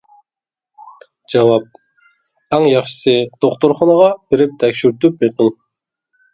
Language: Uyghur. جاۋاب: ئەڭ ياخشىسى دوختۇرخانىغا بېرىپ تەكشۈرتۈپ بېقىڭ.